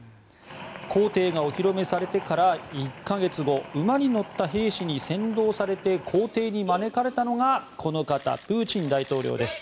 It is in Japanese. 公邸がお披露目されてから１か月後馬に乗った兵士に先導されて公邸に招かれたのがプーチン大統領です。